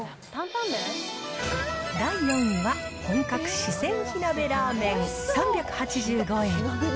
第４位は、本格四川火鍋ラーメン、３８５円。